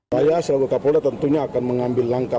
saya selaku kapolda tentunya akan mengambil langkah